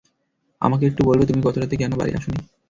আমাকে একটু বলবে তুমি গত রাতে কেন বাড়ি আসোনি?